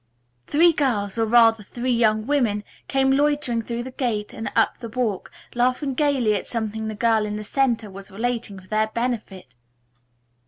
Three girls, or rather three young women, came loitering through the gate and up the walk, laughing gayly at something the girl in the center was relating for their benefit.